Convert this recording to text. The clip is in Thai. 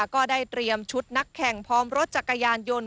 ก็ได้เตรียมชุดนักแข่งพร้อมรถจักรยานยนต์